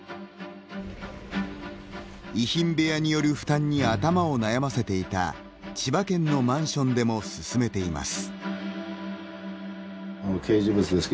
遺品部屋による負担に頭を悩ませていた千葉県のマンションでも進めています。